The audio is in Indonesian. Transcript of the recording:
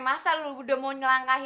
masa lo udah mau nyelangganya